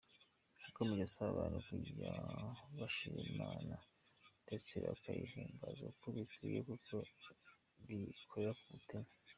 Yakomeje asaba abantu kujya bashima Imana ndetse bakayihimbaza uko bikwiye kuko biyikora ku mutima.